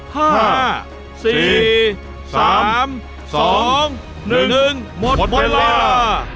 หมดเวลา